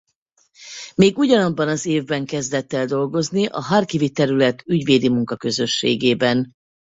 Még ugyanabban az évben kezdett el dolgozni a Harkivi terület ügyvédi munkaközösségében.